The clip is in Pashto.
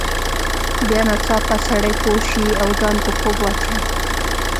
بیا ناڅاپه سړی پوه شي او ځان په خوب واچوي.